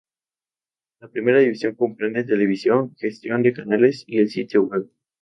La primera división comprende televisión, gestión de canales y el sitio web.